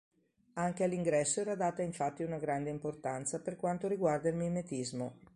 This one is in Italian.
Anche all'ingresso era data infatti una grande importanza per quanto riguarda il mimetismo.